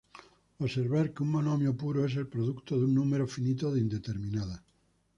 Observar que un monomio puro es el producto de un número finito de indeterminadas.